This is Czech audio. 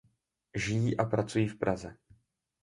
Žijí a pracují v Praze.